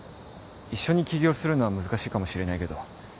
一緒に起業するのは難しいかもしれないけど